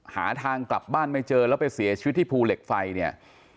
หาทางกลับบ้านไม่เจอแล้วไปเสียชีวิตที่ภูเหล็กไฟเนี่ย